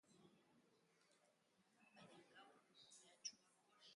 Alkateak atzera egin eta barkamena eskatu du gaur.